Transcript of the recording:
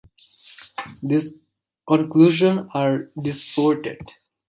These conclusions are disputed.